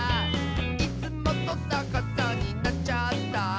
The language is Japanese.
「いつもとさかさになっちゃった」